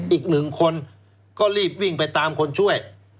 อีกหนึ่งคนก็รีบวิ่งไปตามคนช่วย